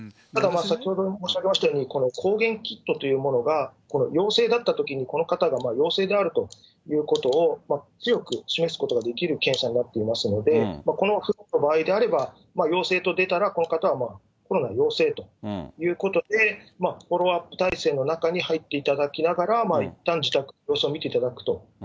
ただ、先ほど申し上げましたように、この抗原キットというものが、陽性だったときにこの方が陽性であるということを強く示すことができる検査になっていますので、このキットの場合であれば、陽性と出たら、この方はもうコロナ陽性ということで、フォローアップ体制の中に入っていただきながら、いったん自宅で様子を見ていただくと。